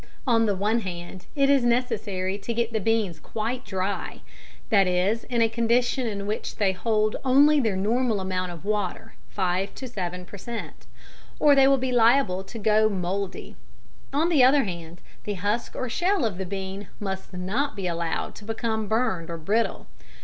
On the one hand it is necessary to get the beans quite dry (that is, in a condition in which they hold only their normal amount of water 5 to 7 per cent.) or they will be liable to go mouldy. On the other hand, the husk or shell of the bean must not be allowed to become burned or brittle.